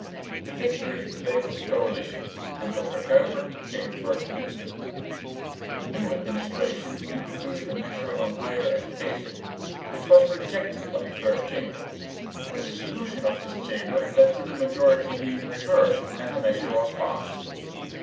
The victory lay with the coalition, and Dr Kuyper became first minister. The new administration introduced a measure on Higher Education, which was rejected by the First Chamber. A dissolution of this Chamber led to the majority being reversed, and the measure was passed.